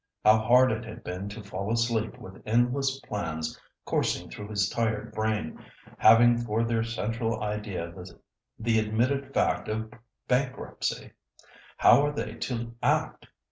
How hard it had been to fall asleep with endless plans coursing through his tired brain, having for their central idea the admitted fact of bankruptcy. How were they to act?